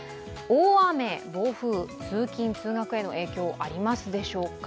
大雨、暴風、通勤通学への影響ありますでしょうか。